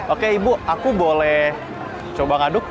oke ibu aku boleh coba ngaduk